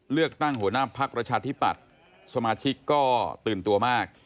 เลือกตั้งหัวหน้าพักประชาธิปัตย์สมาชิกก็ตื่นตัวมาก